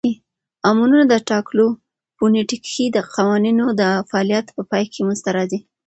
امونونه د ټاکلو فونیټیکښي قوانینو د فعالیت په پای کښي منځ ته راځي.